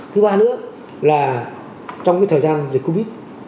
thứ ba nữa là trong thời gian dịch covid